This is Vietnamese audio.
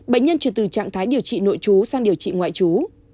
bệnh nhân chuyển từ trạng thái điều trị nội chú sang điều trị ngoại trú